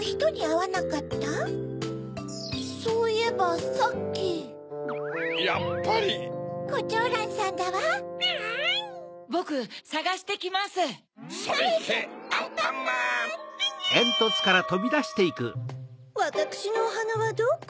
・わたくしのおはなはどこ？